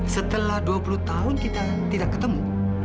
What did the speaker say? setelah dua puluh tahun kita tidak ketemu